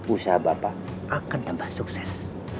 usaha bapak akan tambah sukses